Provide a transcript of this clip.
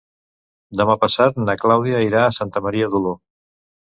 Demà passat na Clàudia irà a Santa Maria d'Oló.